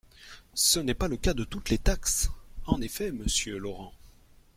Ce n’est pas le cas de toutes les taxes ! En effet, monsieur Laurent.